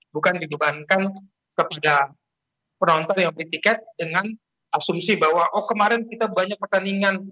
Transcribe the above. bukan dibebankan kepada penonton yang bertiket dengan asumsi bahwa oh kemarin kita banyak pertandingan